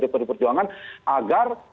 pd perjuangan agar